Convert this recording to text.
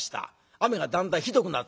雨がだんだんひどくなる。